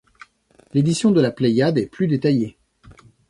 L'édition de la Pléiade est plus détaillée.